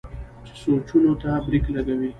چې سوچونو ته برېک لګوي